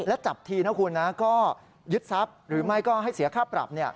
แล้วจับทีนะคุณนะก็ยึดทรัพย์หรือไม่ก็ให้เสียค่าปรับ